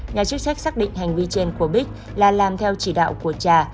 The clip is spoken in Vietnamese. nhà chức trách xác định hành vi trên của bích là làm theo chỉ đạo của trà